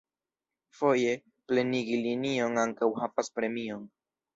Foje, plenigi linion ankaŭ havas premion.